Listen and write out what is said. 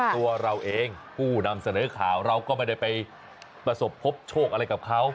ตัวเราเองผู้นำเสนอข่าวเราก็ไม่ได้ไปประสบพบโชคอะไรกับเขา